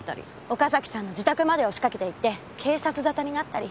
岡崎さんの自宅まで押しかけていって警察沙汰になったり。